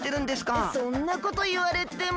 そんなこといわれても。